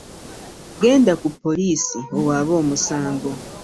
Genda ku poliisi owaabe omusango.